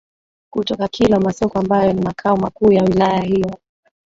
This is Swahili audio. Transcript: kutoka Kilwa Masoko ambayo ni makao makuu ya wilaya hiyo